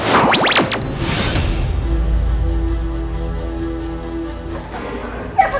sampai jumpa di channel kami